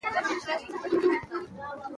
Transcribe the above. د خلکو غږ مه چوپوئ